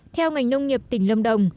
theo ngành nông nghiệp tỉnh lâm đồng